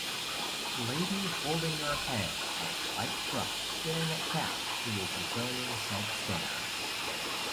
Lady holding her head out of white truck staring at a cat who is returning said stare